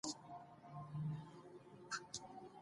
ازادي راډیو د اقلیتونه په اړه د خلکو احساسات شریک کړي.